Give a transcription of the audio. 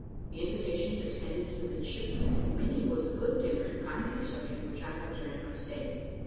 The invitations extended to the midshipmen, and many was the good dinner and kind reception which I had during my stay.